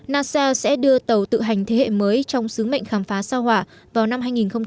nasa sẽ đưa tàu tự hành thế hệ mới trong sứ mệnh khám phá sao hỏa vào năm hai nghìn hai mươi